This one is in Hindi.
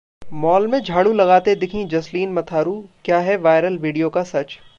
मॉल में झाड़ू लगाते दिखीं जसलीन मथारू, क्या है वायरल वीडियो का सच?